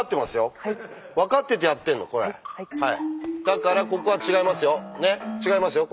だからここは違いますよ。